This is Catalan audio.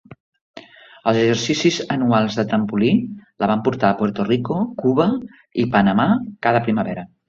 Els exercicis anuals de trampolí la van portar a Puerto Rico, Cuba i Panamà cada primavera.